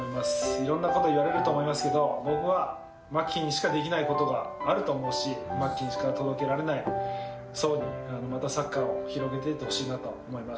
いろんなことやれると思いますけど、僕はマキにしかできないことがあると思うし、マキにしか届けられない層に、またサッカーを広げていってほしいなと思います。